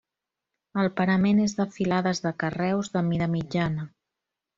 El parament és de filades de carreus de mida mitjana.